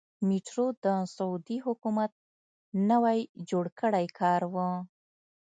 میټرو د سعودي حکومت نوی جوړ کړی کار و.